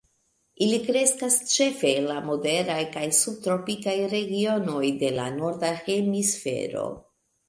Ili kreskas ĉefe en la moderaj kaj subtropikaj regionoj de la norda hemisfero.